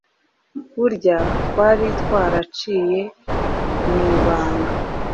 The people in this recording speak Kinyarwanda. burya twari twaragaciye mu ibanga!